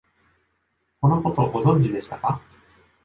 このこと、ご存知でしたか？